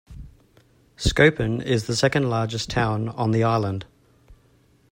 Skopun is the second-largest town on the island.